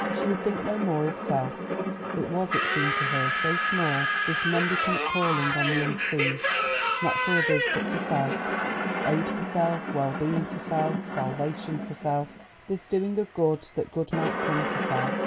She would think no more of self; it was, it seemed to her, so small, this mendicant calling on the Unseen, not for others, but for self: aid for self, well being for self, salvation for self—this doing of good that good might come to self.